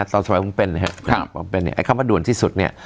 ตอนสมัยผมเป็นคำว่าด่วนที่สุด